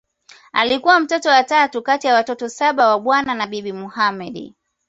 Alikuwa mtoto wa tatu kati ya watoto saba wa Bwana na Bibi Mohamed